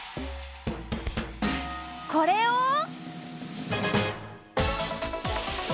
これを。